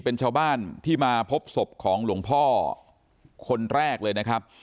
เป็นชาวบ้านที่มาพบศพของหลวงพ่อคนแรกเลยนะครับ